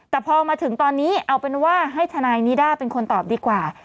แต่พอมาถึงตอนนี้เอาเป็นว่าให้ทนายนิด้าเป็นคนตอบดีกว่า